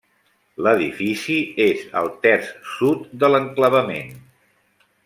L'edifici és al terç sud de l'enclavament.